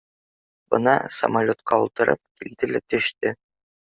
Бына, самолетҡа ултырып, килде лә төштө